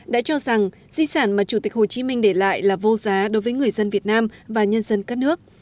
đã cho rằng di sản mà chủ tịch hồ chí minh để lại là vô giá đối với người dân việt nam và nhân dân các nước